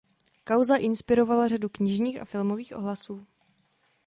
Kauza inspirovala řadu knižních a filmových ohlasů.